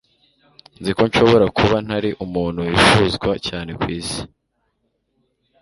nzi ko nshobora kuba ntari umuntu wifuzwa cyane kwisi